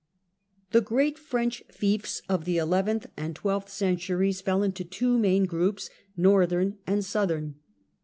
The Great The great French fiefs of the eleventh and twelfth cen turies fell into two main groups, northern and southern.